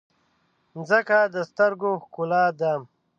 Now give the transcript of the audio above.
مځکه د سترګو ښکلا ده.